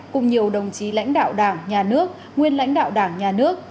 cùng nhiều đồng chí lãnh đạo đảng nhà nước nguyên lãnh đạo đảng nhà nước